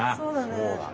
そうだね。